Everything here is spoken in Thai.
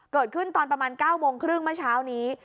เกิดขึ้นตอนประมาณ๙๓๐มาเช้านี้